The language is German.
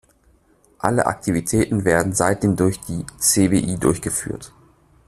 Alle Aktivitäten werden seitdem durch die cbi durchgeführt.